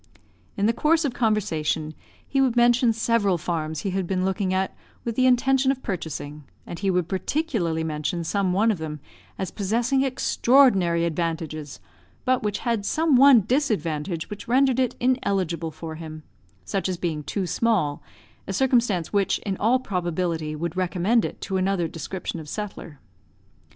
In the course of conversation, he would mention several farms he had been looking at with the intention of purchasing, and he would particularly mention some one of them as possessing extraordinary advantages, but which had some one disadvantage which rendered it ineligible for him; such as being too small, a circumstance which, in all probability, would recommend it to another description of settler.